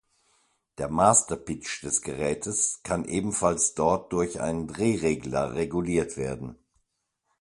Der Master Pitch des Gerätes kann ebenfalls dort durch einen Drehregler reguliert werden.